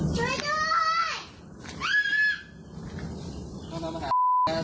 ขอให้กลับไปด้วยลองลองดูกัน